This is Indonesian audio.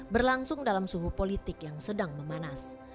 berlangsung dalam suhu politik yang sedang memanas